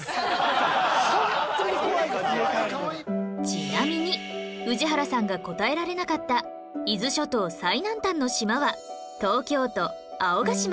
ちなみに宇治原さんが答えられなかった伊豆諸島最南端の島は東京都青ヶ島